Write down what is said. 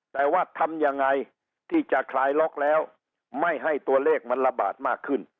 แต่ว่าทำยังไงที่จะคลายล็อกแล้วไม่ให้ตัวเลขมันระบาดมากขึ้น